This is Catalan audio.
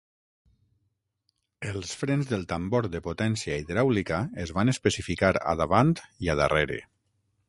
Els frens del tambor de potència hidràulica es van especificar a davant i a darrere.